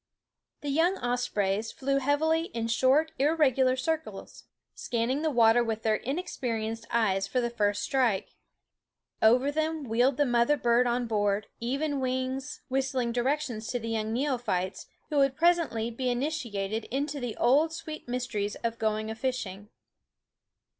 The young ospreys flew heavily in short irregular circles, scanning the water with their inexperienced eyes for their first strike. Over them wheeled the mother bird on broad, even wings, whistling directions to the young neophytes, who would presently be initiated 101 \chool For (r <=/7///e ^fishermen ^ SCHOOL OF into the old sweet mysteries of going a fishing.